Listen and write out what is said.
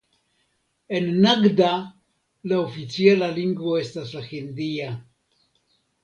En Nagda la oficiala lingvo estas la hindia.